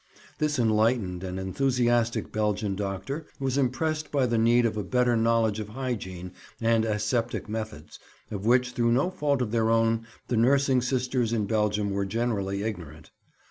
This enlightened and enthusiastic Belgian doctor was impressed by the need of a better knowledge of hygiene and aseptic methods, of which through no fault of their own the nursing sisters in Belgium were generally ignorant.